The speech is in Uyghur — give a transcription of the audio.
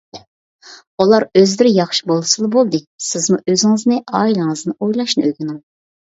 ئۇلار ئۆزلىرى ياخشى بولسىلا بولدى، سىزمۇ ئۆزىڭىزنى ئائىلىڭىزنى ئويلاشنى ئۆگىنىڭ.